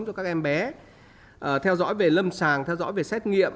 theo dõi các em bé theo dõi về lâm sàng theo dõi về xét nghiệm